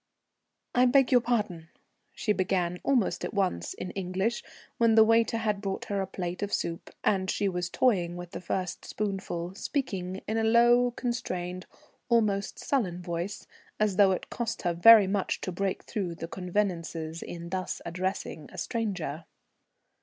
"I beg your pardon," she began almost at once in English, when the waiter had brought her a plate of soup, and she was toying with the first spoonful, speaking in a low constrained, almost sullen voice, as though it cost her much to break through the convenances in thus addressing a stranger.